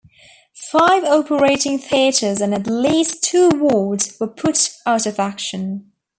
Five operating theatres and at least two wards were put out of action.